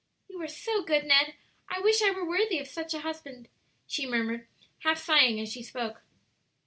"You are so good, Ned! I wish I were worthy of such a husband," she murmured, half sighing as she spoke.